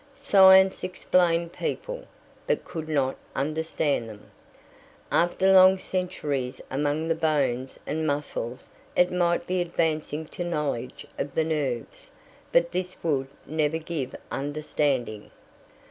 Science explained people, but could not understand them. After long centuries among the bones and muscles it might be advancing to knowledge of the nerves, but this would never give understanding.